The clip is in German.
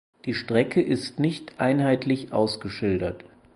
Die Strecke ist nicht einheitlich ausgeschildert.